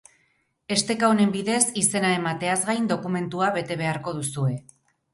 Esteka honen bidez izena emateaz gain, dokumentua bete beharko duzue.